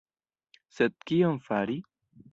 Sed kion fari?